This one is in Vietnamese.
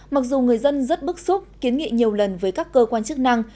mặc dù người dân rất bức xúc kiến nghị nhiều lần với các cơ quan chức năng